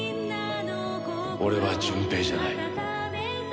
俺は純平じゃない。